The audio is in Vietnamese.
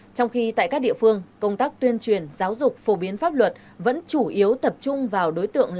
trong khi tại các địa phương công tác tuyên truyền giáo dục phổ biến pháp luật vẫn chủ yếu tập trung vào nạn nhân mua bán người